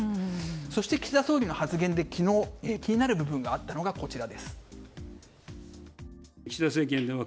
そして、岸田総理の発言で昨日、気になる部分があったのがこちら。